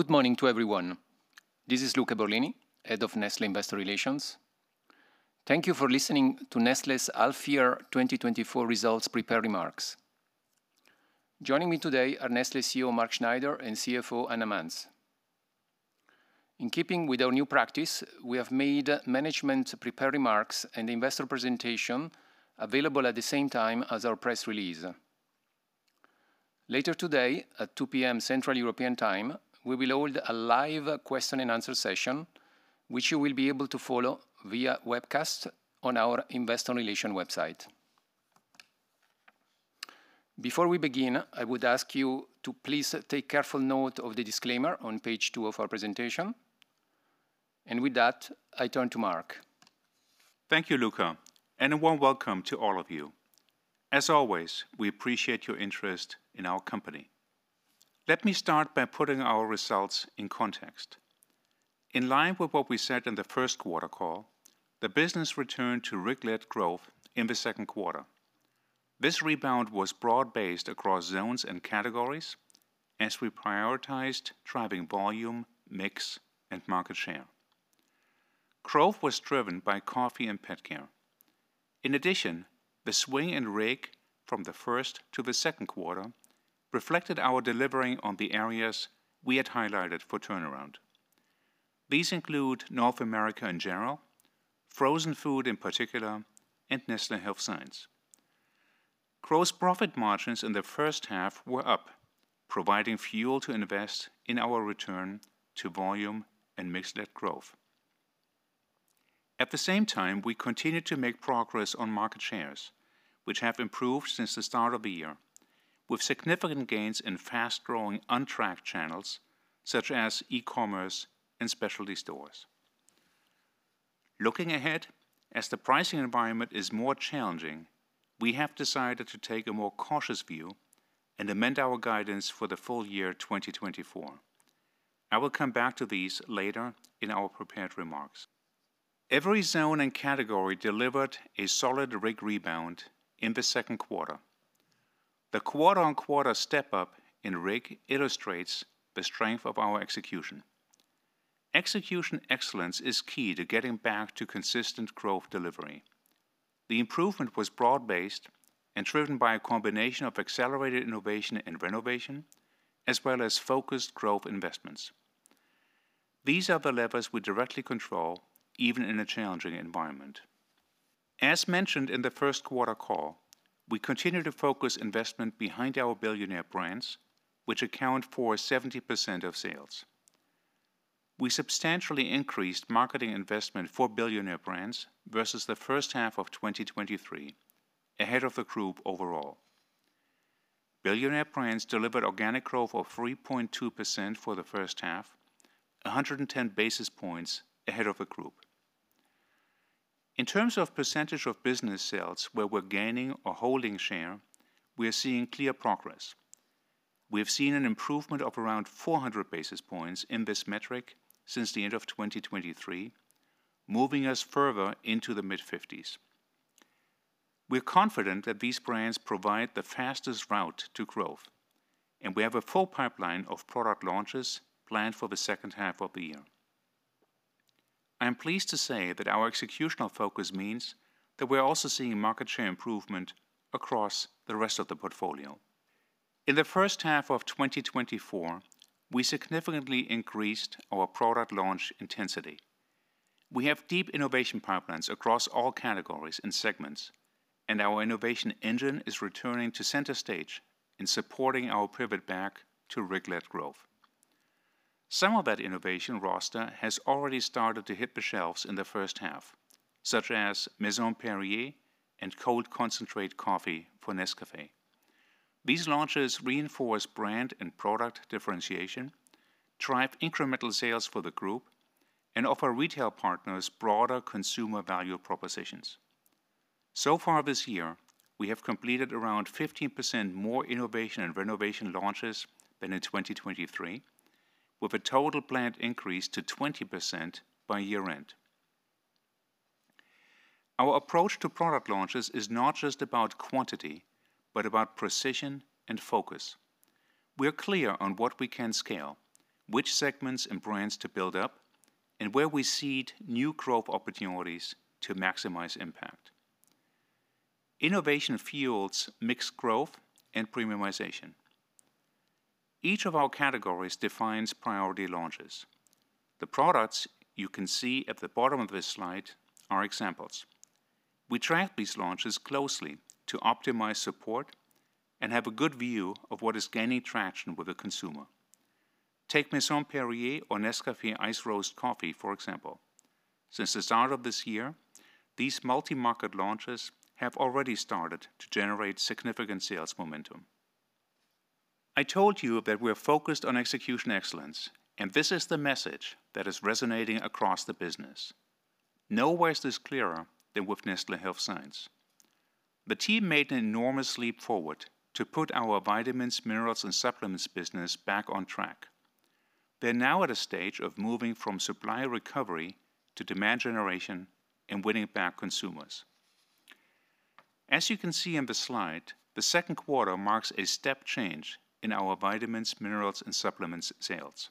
Good morning to everyone. This is Luca Borlini, Head of Nestlé Investor Relations. Thank you for listening to Nestlé's Half-year 2024 Results prepared remarks. Joining me today are Nestlé CEO, Mark Schneider, and CFO, Anna Manz. In keeping with our new practice, we have made management prepared remarks and investor presentation available at the same time as our press release. Later today, at 2:00 P.M. Central European Time, we will hold a live question and answer session, which you will be able to follow via webcast on our investor relation website. Before we begin, I would ask you to please take careful note of the disclaimer on Page 2 of our presentation. With that, I turn to Mark. Thank you, Luca, and a warm welcome to all of you. As always, we appreciate your interest in our company. Let me start by putting our results in context. In line with what we said in the first quarter call, the business returned to RIG-led growth in the second quarter. This rebound was broad-based across zones and categories as we prioritized driving volume, mix, and market share. Growth was driven by coffee and pet care. In addition, the swing in RIG from the first to the second quarter reflected our delivering on the areas we had highlighted for turnaround. These include North America in general, frozen food in particular, and Nestlé Health Science. Gross profit margins in the first half were up, providing fuel to invest in our return to volume and mix-led growth. At the same time, we continued to make progress on market shares, which have improved since the start of the year, with significant gains in fast-growing untracked channels such as e-commerce and specialty stores. Looking ahead, as the pricing environment is more challenging, we have decided to take a more cautious view and amend our guidance for the full year 2024. I will come back to these later in our prepared remarks. Every zone and category delivered a solid RIG rebound in the second quarter. The quarter-on-quarter step-up in RIG illustrates the strength of our execution. Execution excellence is key to getting back to consistent growth delivery. The improvement was broad-based and driven by a combination of accelerated innovation and renovation, as well as focused growth investments. These are the levers we directly control, even in a challenging environment. As mentioned in the first quarter call, we continue to focus investment behind our billionaire brands, which account for 70% of sales. We substantially increased marketing investment for billionaire brands versus the first half of 2023, ahead of the group overall. billionaire brands delivered organic growth of 3.2% for the first half, 110 basis points ahead of the group. In terms of percentage of business sales where we're gaining or holding share, we are seeing clear progress. We have seen an improvement of around 400 basis points in this metric since the end of 2023, moving us further into the mid-fifties. We are confident that these brands provide the fastest route to growth, and we have a full pipeline of product launches planned for the second half of the year. I am pleased to say that our executional focus means that we are also seeing market share improvement across the rest of the portfolio. In the first half of 2024, we significantly increased our product launch intensity. We have deep innovation pipelines across all categories and segments, and our innovation engine is returning to center stage in supporting our pivot back to RIG-led growth. Some of that innovation roster has already started to hit the shelves in the first half, such as Maison Perrier and cold concentrate coffee for Nescafé. These launches reinforce brand and product differentiation, drive incremental sales for the group, and offer retail partners broader consumer value propositions. So far this year, we have completed around 15% more innovation and renovation launches than in 2023, with a total planned increase to 20% by year-end. Our approach to product launches is not just about quantity, but about precision and focus. We are clear on what we can scale, which segments and brands to build up, and where we seed new growth opportunities to maximize impact. Innovation fuels mixed growth and premiumization. Each of our categories defines priority launches. The products you can see at the bottom of this slide are examples. We track these launches closely to optimize support and have a good view of what is gaining traction with the consumer. Take Maison Perrier or Nescafé Ice Roast Coffee, for example. Since the start of this year, these multi-market launches have already started to generate significant sales momentum. I told you that we are focused on execution excellence, and this is the message that is resonating across the business. Nowhere is this clearer than with Nestlé Health Science. The team made an enormous leap forward to put our vitamins, minerals, and supplements business back on track. They're now at a stage of moving from supply recovery to demand generation and winning back consumers. As you can see in the slide, the second quarter marks a step change in our vitamins, minerals, and supplements sales.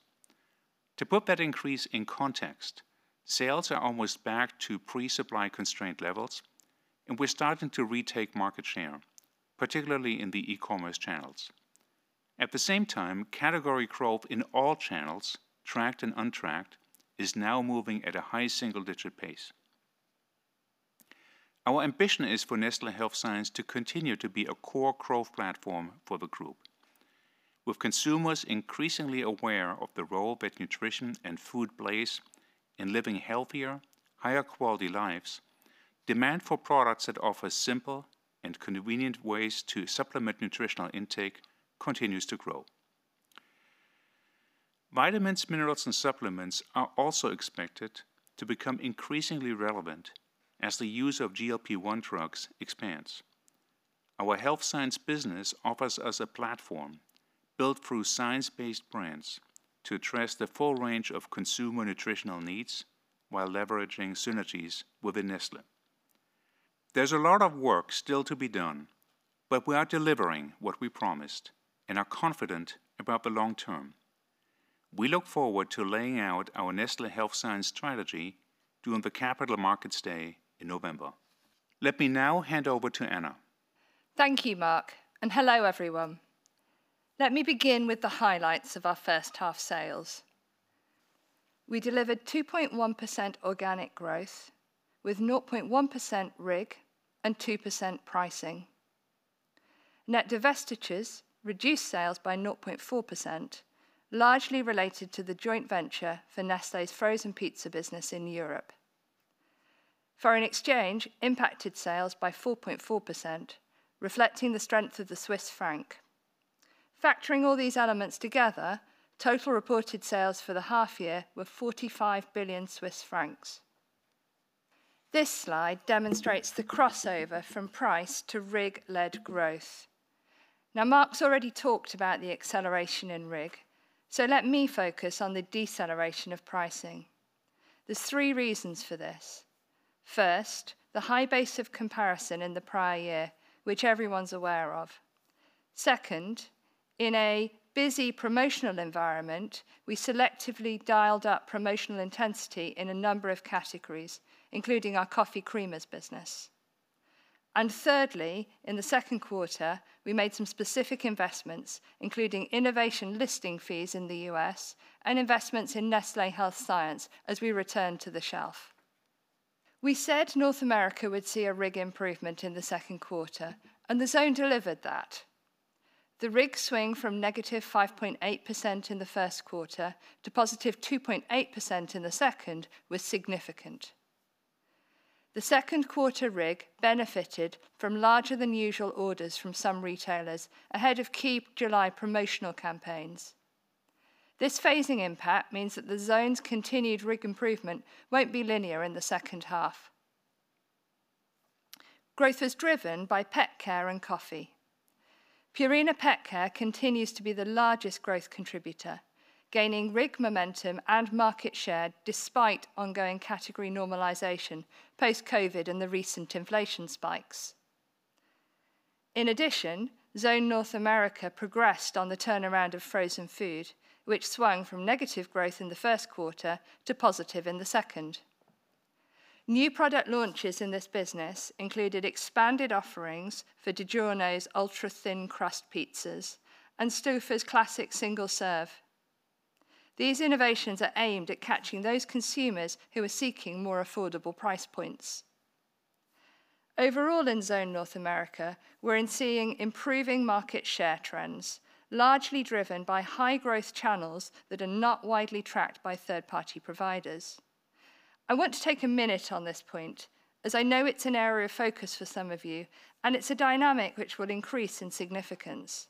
To put that increase in context, sales are almost back to pre-supply constraint levels, and we're starting to retake market share, particularly in the e-commerce channels. At the same time, category growth in all channels, tracked and untracked, is now moving at a high single-digit pace. Our ambition is for Nestlé Health Science to continue to be a core growth platform for the group. With consumers increasingly aware of the role that nutrition and food plays in living healthier, higher quality lives, demand for products that offer simple and convenient ways to supplement nutritional intake continues to grow. Vitamins, minerals, and supplements are also expected to become increasingly relevant as the use of GLP-1 drugs expands. Our health science business offers us a platform built through science-based brands to address the full range of consumer nutritional needs while leveraging synergies within Nestlé. There's a lot of work still to be done, but we are delivering what we promised and are confident about the long term. We look forward to laying out our Nestlé Health Science strategy during the Capital Markets Day in November. Let me now hand over to Anna. Thank you, Mark, and hello, everyone. Let me begin with the highlights of our first half sales. We delivered 2.1% organic growth, with 0.1% RIG and 2% pricing. Net divestitures reduced sales by 0.4%, largely related to the joint venture for Nestlé's frozen pizza business in Europe. Foreign exchange impacted sales by 4.4%, reflecting the strength of the Swiss franc. Factoring all these elements together, total reported sales for the half year were 45 billion Swiss francs. This slide demonstrates the crossover from price to RIG-led growth. Now, Mark's already talked about the acceleration in RIG, so let me focus on the deceleration of pricing. There's three reasons for this. First, the high base of comparison in the prior year, which everyone's aware of. Second, in a busy promotional environment, we selectively dialed up promotional intensity in a number of categories, including our coffee creamers business. Thirdly, in the second quarter, we made some specific investments, including innovation listing fees in the U.S. and investments in Nestlé Health Science as we return to the shelf. We said North America would see a RIG improvement in the second quarter, and the zone delivered that. The RIG swing from negative 5.8% in the first quarter to positive 2.8% in the second was significant. The second quarter RIG benefited from larger than usual orders from some retailers ahead of key July promotional campaigns. This phasing impact means that the zone's continued RIG improvement won't be linear in the second half. Growth was driven by pet care and coffee. Purina PetCare continues to be the largest growth contributor, gaining RIG momentum and market share despite ongoing category normalization, post-COVID, and the recent inflation spikes. In addition, Zone North America progressed on the turnaround of frozen food, which swung from negative growth in the first quarter to positive in the second. New product launches in this business included expanded offerings for DiGiorno's ultra-thin crust pizzas and Stouffer's classic single serve. These innovations are aimed at catching those consumers who are seeking more affordable price points. Overall, in Zone North America, we're seeing improving market share trends, largely driven by high growth channels that are not widely tracked by third-party providers. I want to take a minute on this point, as I know it's an area of focus for some of you, and it's a dynamic which will increase in significance.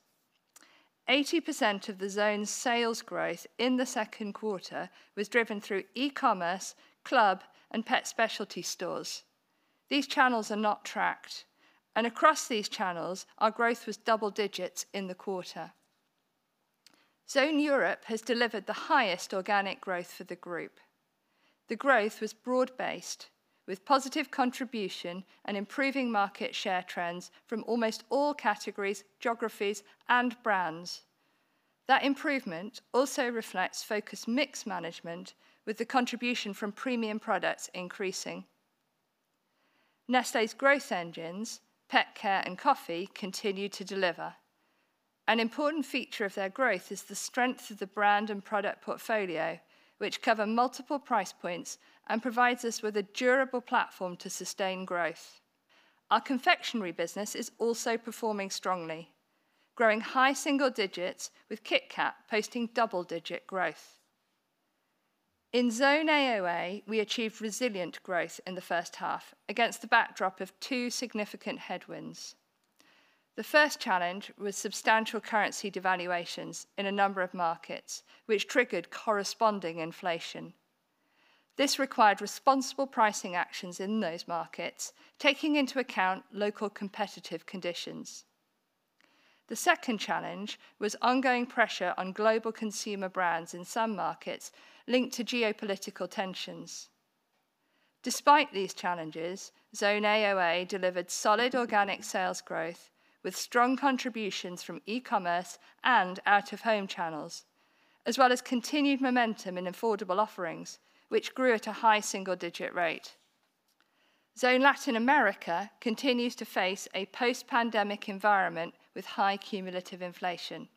80% of the zone's sales growth in the second quarter was driven through e-commerce, club, and pet specialty stores. These channels are not tracked, and across these channels, our growth was double digits in the quarter. Zone Europe has delivered the highest organic growth for the group. The growth was broad-based, with positive contribution and improving market share trends from almost all categories, geographies, and brands. That improvement also reflects focused mix management, with the contribution from premium products increasing. Nestlé's growth engines, pet care and coffee, continue to deliver. An important feature of their growth is the strength of the brand and product portfolio, which cover multiple price points and provides us with a durable platform to sustain growth. Our confectionery business is also performing strongly, growing high single digits, with KitKat posting double-digit growth. In Zone AOA, we achieved resilient growth in the first half against the backdrop of two significant headwinds. The first challenge was substantial currency devaluations in a number of markets, which triggered corresponding inflation. This required responsible pricing actions in those markets, taking into account local competitive conditions. The second challenge was ongoing pressure on global consumer brands in some markets linked to geopolitical tensions. Despite these challenges, Zone AOA delivered solid organic sales growth, with strong contributions from e-commerce and out-of-home channels, as well as continued momentum in affordable offerings, which grew at a high single-digit rate. Zone Latin America continues to face a post-pandemic environment with high cumulative inflation.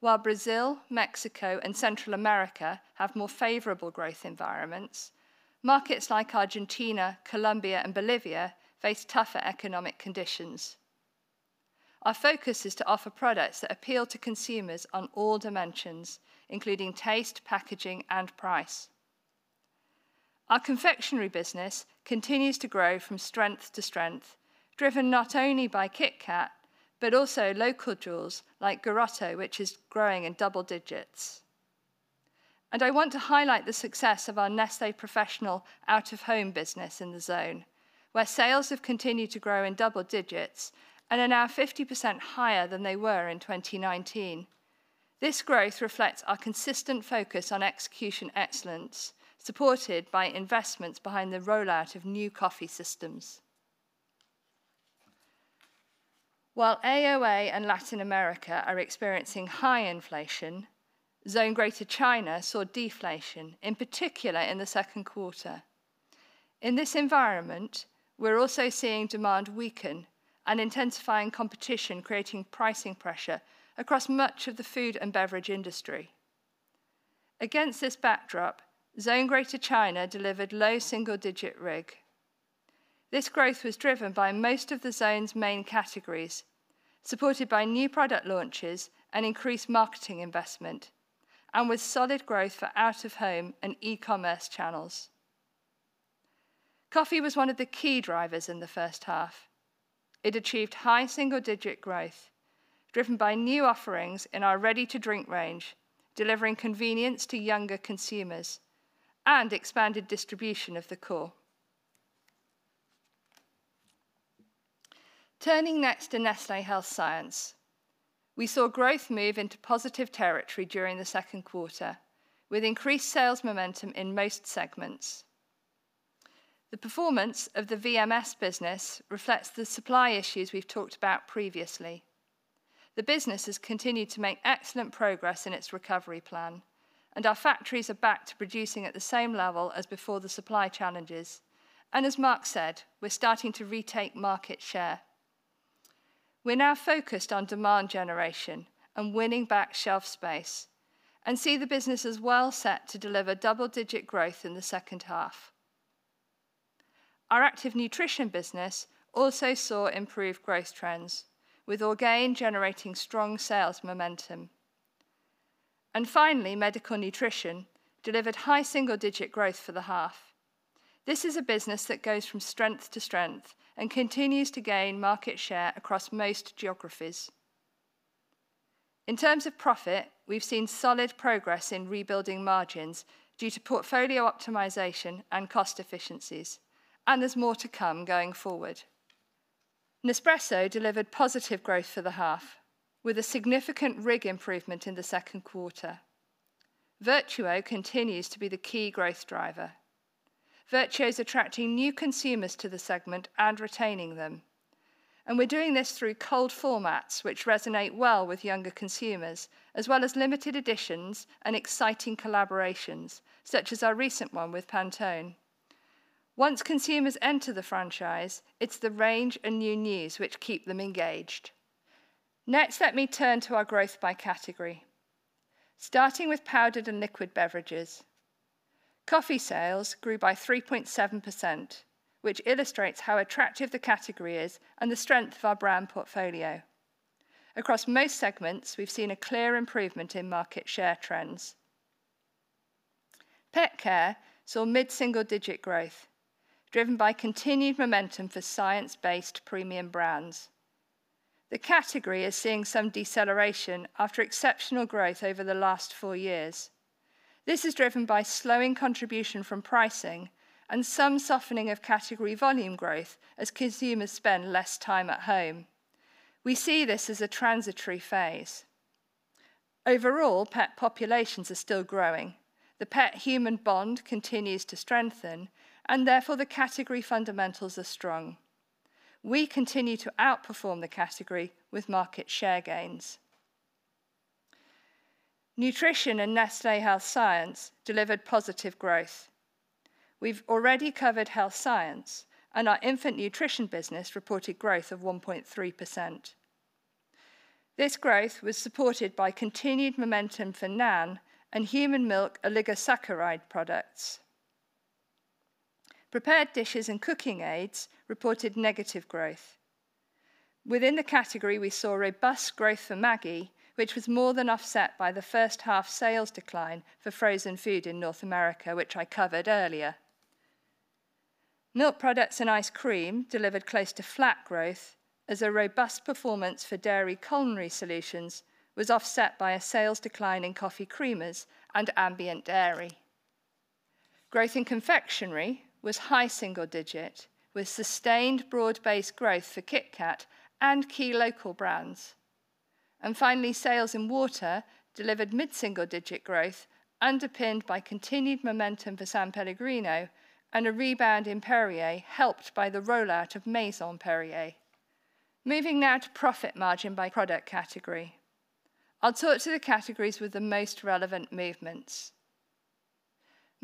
While Brazil, Mexico, and Central America have more favorable growth environments, markets like Argentina, Colombia, and Bolivia face tougher economic conditions. Our focus is to offer products that appeal to consumers on all dimensions, including taste, packaging, and price. Our confectionery business continues to grow from strength to strength, driven not only by KitKat, but also local jewels like Garoto, which is growing in double digits. I want to highlight the success of our Nestlé Professional out-of-home business in the zone, where sales have continued to grow in double digits and are now 50% higher than they were in 2019. This growth reflects our consistent focus on execution excellence, supported by investments behind the rollout of new coffee systems. While AOA and Latin America are experiencing high inflation, Zone Greater China saw deflation, in particular in the second quarter. In this environment, we're also seeing demand weaken and intensifying competition, creating pricing pressure across much of the food and beverage industry. Against this backdrop, Zone Greater China delivered low single-digit RIG. This growth was driven by most of the zone's main categories, supported by new product launches and increased marketing investment, and with solid growth for out-of-home and e-commerce channels. Coffee was one of the key drivers in the first half. It achieved high single-digit growth, driven by new offerings in our ready-to-drink range, delivering convenience to younger consumers and expanded distribution of the core. Turning next to Nestlé Health Science, we saw growth move into positive territory during the second quarter, with increased sales momentum in most segments. The performance of the VMS business reflects the supply issues we've talked about previously. The business has continued to make excellent progress in its recovery plan, and our factories are back to producing at the same level as before the supply challenges. And as Mark said, we're starting to retake market share. We're now focused on demand generation and winning back shelf space, and see the business as well set to deliver double-digit growth in the second half. Our Active Nutrition business also saw improved growth trends, with Orgain generating strong sales momentum. And finally, Medical Nutrition delivered high single-digit growth for the half. This is a business that goes from strength to strength and continues to gain market share across most geographies. In terms of profit, we've seen solid progress in rebuilding margins due to portfolio optimization and cost efficiencies, and there's more to come going forward. Nespresso delivered positive growth for the half, with a significant RIG improvement in the second quarter. Vertuo continues to be the key growth driver. Vertuo is attracting new consumers to the segment and retaining them, and we're doing this through cold formats, which resonate well with younger consumers, as well as limited editions and exciting collaborations, such as our recent one with Pantone. Once consumers enter the franchise, it's the range and newness which keep them engaged. Next, let me turn to our growth by category. Starting with powdered and liquid beverages, coffee sales grew by 3.7%, which illustrates how attractive the category is and the strength of our brand portfolio. Across most segments, we've seen a clear improvement in market share trends. Pet Care saw mid-single-digit growth, driven by continued momentum for science-based premium brands. The category is seeing some deceleration after exceptional growth over the last four years. This is driven by slowing contribution from pricing and some softening of category volume growth as consumers spend less time at home. We see this as a transitory phase. Overall, pet populations are still growing. The pet-human bond continues to strengthen, and therefore, the category fundamentals are strong. We continue to outperform the category with market share gains. Nutrition and Nestlé Health Science delivered positive growth. We've already covered health science, and our infant nutrition business reported growth of 1.3%. This growth was supported by continued momentum for Nan and human milk oligosaccharide products. Prepared dishes and cooking aids reported negative growth. Within the category, we saw robust growth for Maggi, which was more than offset by the first half sales decline for frozen food in North America, which I covered earlier. Milk products and ice cream delivered close to flat growth as a robust performance for dairy culinary solutions was offset by a sales decline in coffee creamers and ambient dairy. Growth in confectionery was high single digit, with sustained broad-based growth for KitKat and key local brands. And finally, sales in water delivered mid-single digit growth, underpinned by continued momentum for San Pellegrino and a rebound in Perrier, helped by the rollout of Maison Perrier. Moving now to profit margin by product category. I'll talk to the categories with the most relevant movements.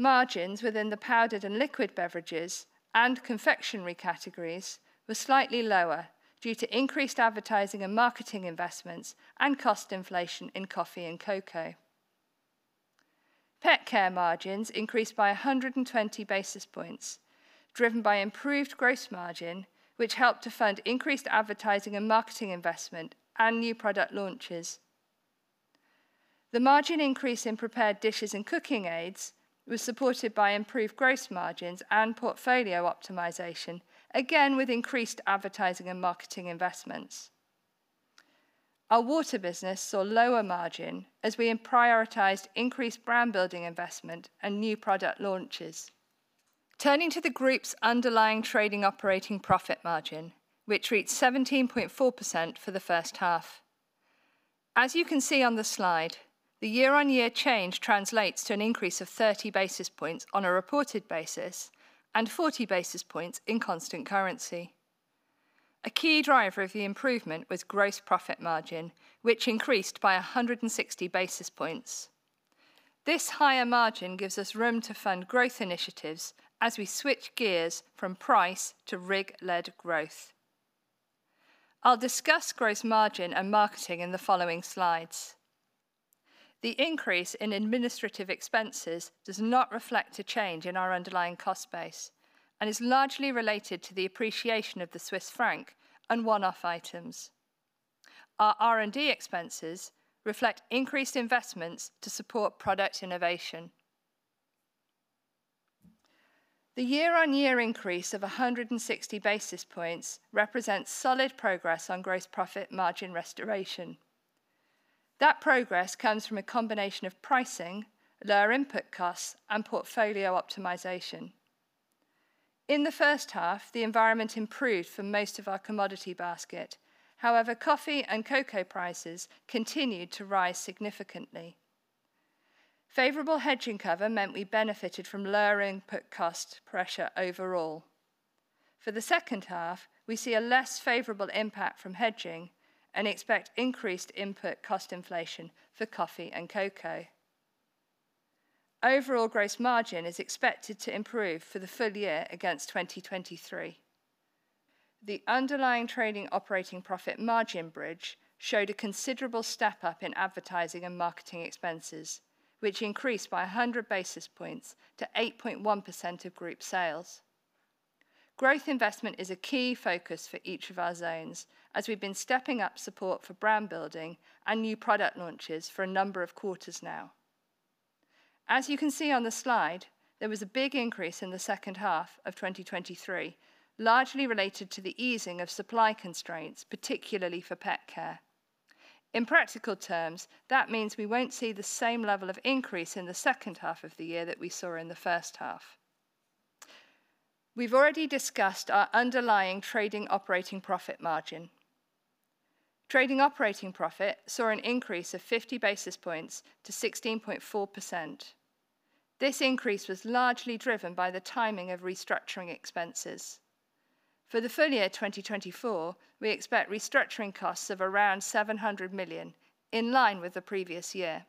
Margins within the powdered and liquid beverages and confectionery categories were slightly lower due to increased advertising and marketing investments and cost inflation in coffee and cocoa. Pet care margins increased by 120 basis points, driven by improved gross margin, which helped to fund increased advertising and marketing investment and new product launches. The margin increase in prepared dishes and cooking aids was supported by improved gross margins and portfolio optimization, again, with increased advertising and marketing investments. Our water business saw lower margin as we then prioritized increased brand building investment and new product launches. Turning to the group's underlying trading operating profit margin, which reached 17.4% for the first half. As you can see on the slide, the year-on-year change translates to an increase of 30 basis points on a reported basis and 40 basis points in constant currency. A key driver of the improvement was gross profit margin, which increased by 160 basis points. This higher margin gives us room to fund growth initiatives as we switch gears from price to RIG-led growth. I'll discuss gross margin and marketing in the following slides. The increase in administrative expenses does not reflect a change in our underlying cost base and is largely related to the appreciation of the Swiss franc and one-off items. Our R&D expenses reflect increased investments to support product innovation. The year-on-year increase of 160 basis points represents solid progress on gross profit margin restoration. That progress comes from a combination of pricing, lower input costs, and portfolio optimization. In the first half, the environment improved for most of our commodity basket. However, coffee and cocoa prices continued to rise significantly. Favorable hedging cover meant we benefited from lower input cost pressure overall. For the second half, we see a less favorable impact from hedging and expect increased input cost inflation for coffee and cocoa. Overall gross margin is expected to improve for the full year against 2023. The underlying trading operating profit margin bridge showed a considerable step up in advertising and marketing expenses, which increased by 100 basis points to 8.1% of group sales. Growth investment is a key focus for each of our zones, as we've been stepping up support for brand building and new product launches for a number of quarters now. As you can see on the slide, there was a big increase in the second half of 2023, largely related to the easing of supply constraints, particularly for pet care. In practical terms, that means we won't see the same level of increase in the second half of the year that we saw in the first half. We've already discussed our underlying trading operating profit margin. Trading operating profit saw an increase of 50 basis points to 16.4%. This increase was largely driven by the timing of restructuring expenses. For the full year 2024, we expect restructuring costs of around 700 million, in line with the previous year.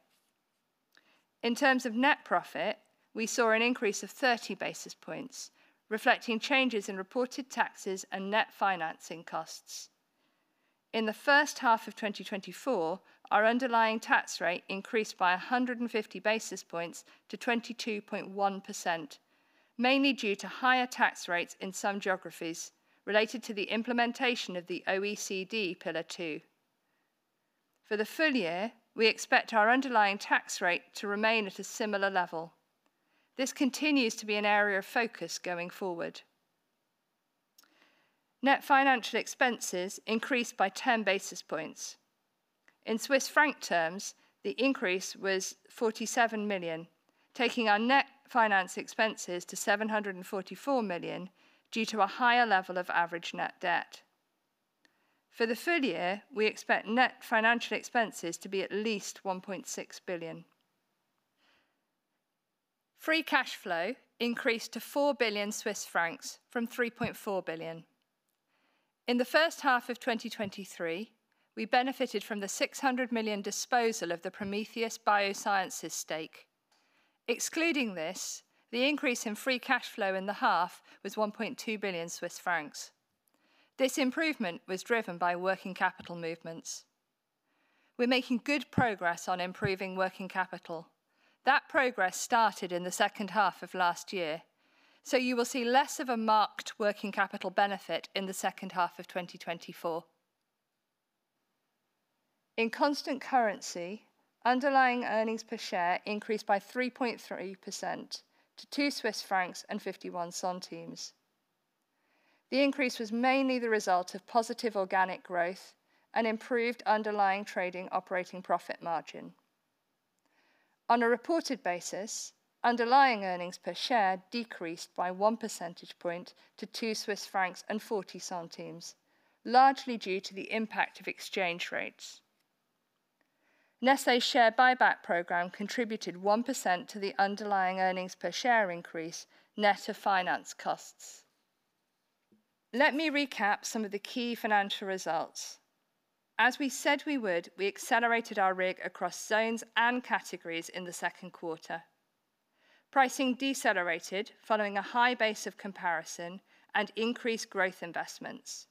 In terms of net profit, we saw an increase of 30 basis points, reflecting changes in reported taxes and net financing costs. In the first half of 2024, our underlying tax rate increased by 150 basis points to 22.1%, mainly due to higher tax rates in some geographies related to the implementation of the OECD Pillar Two. For the full year, we expect our underlying tax rate to remain at a similar level. This continues to be an area of focus going forward. Net financial expenses increased by 10 basis points. In Swiss franc terms, the increase was 47 million, taking our net finance expenses to 744 million due to a higher level of average net debt. For the full year, we expect net financial expenses to be at least 1.6 billion. Free cash flow increased to 4 billion Swiss francs from 3.4 billion. In the first half of 2023, we benefited from the 600 million disposal of the Prometheus Biosciences stake. Excluding this, the increase in free cash flow in the half was 1.2 billion Swiss francs. This improvement was driven by working capital movements. We're making good progress on improving working capital. That progress started in the second half of last year, so you will see less of a marked working capital benefit in the second half of 2024. In constant currency, underlying earnings per share increased by 3.3% to 2.51 Swiss francs. The increase was mainly the result of positive organic growth and improved underlying trading operating profit margin. On a reported basis, underlying earnings per share decreased by one percentage point to 2.40 Swiss francs, largely due to the impact of exchange rates. Nestlé share buyback program contributed 1% to the underlying earnings per share increase, net of finance costs. Let me recap some of the key financial results. As we said we would, we accelerated our RIG across zones and categories in the second quarter. Pricing decelerated following a high base of comparison and increased growth investments.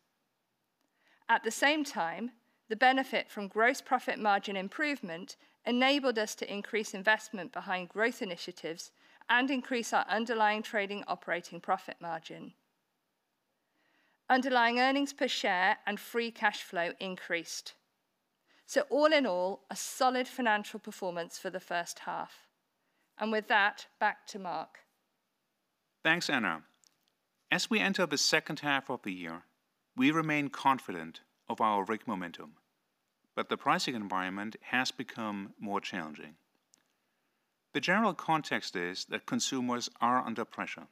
At the same time, the benefit from gross profit margin improvement enabled us to increase investment behind growth initiatives and increase our underlying trading operating profit margin. Underlying earnings per share and free cash flow increased. All in all, a solid financial performance for the first half. With that, back to Mark. Thanks, Anna. As we enter the second half of the year, we remain confident of our RIG momentum, but the pricing environment has become more challenging. The general context is that consumers are under pressure,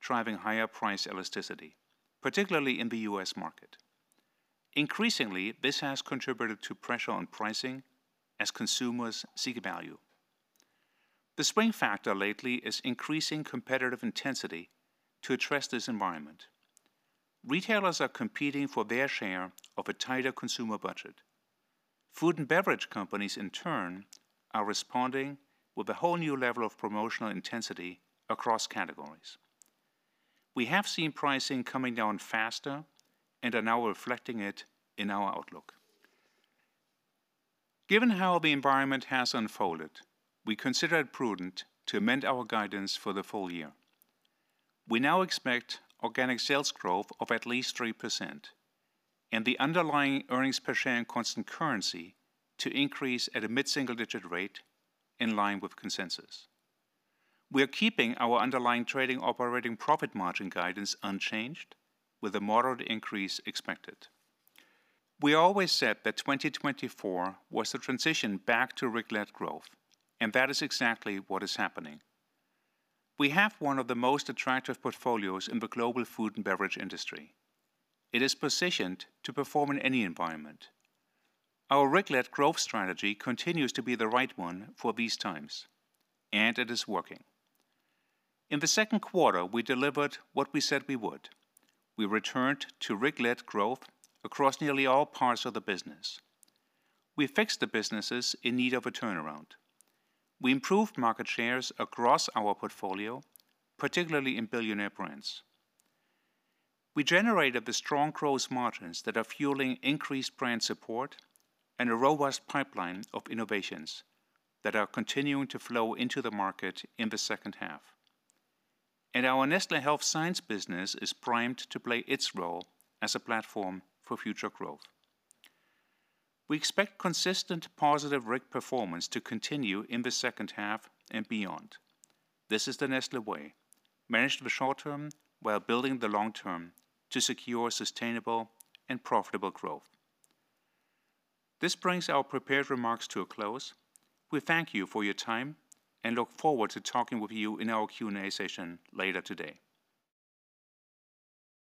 driving higher price elasticity, particularly in the U.S. market. Increasingly, this has contributed to pressure on pricing as consumers seek value. The spending factor lately is increasing competitive intensity to address this environment. Retailers are competing for their share of a tighter consumer budget. Food and beverage companies, in turn, are responding with a whole new level of promotional intensity across categories. We have seen pricing coming down faster and are now reflecting it in our outlook. Given how the environment has unfolded, we consider it prudent to amend our guidance for the full year. We now expect organic sales growth of at least 3%, and the underlying earnings per share in constant currency to increase at a mid-single digit rate in line with consensus. We are keeping our underlying trading operating profit margin guidance unchanged, with a moderate increase expected. We always said that 2024 was the transition back to RIG-led growth, and that is exactly what is happening. We have one of the most attractive portfolios in the global food and beverage industry. It is positioned to perform in any environment. Our RIG-led growth strategy continues to be the right one for these times, and it is working. In the second quarter, we delivered what we said we would. We returned to RIG-led growth across nearly all parts of the business. We fixed the businesses in need of a turnaround. We improved market shares across our portfolio, particularly in billionaire brands. We generated the strong growth margins that are fueling increased brand support and a robust pipeline of innovations that are continuing to flow into the market in the second half. Our Nestlé Health Science business is primed to play its role as a platform for future growth. We expect consistent, positive RIG performance to continue in the second half and beyond. This is the Nestlé way, manage the short term while building the long term to secure sustainable and profitable growth. This brings our prepared remarks to a close. We thank you for your time and look forward to talking with you in our Q&A session later today.